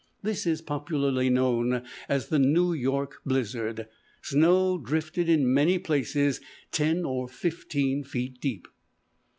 This is popularly known as the "New York blizzard." Snow drifted in many places ten or fifteen feet deep.